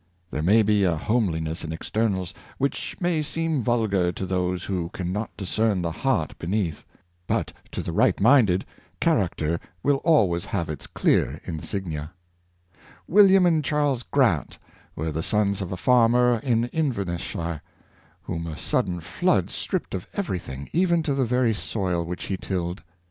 There may be a homeliness in externals, which ma}^ seem vulgar to those who can not discern the heart beneath; but, to the right minded, character will always have its clear insignia. 612 Dilige7ice and Sobriety, William and Charles Grant were the sons of a farmer in Inverness shire, whom a sudden flood stripped of every thing, even to the very soil which he tilled.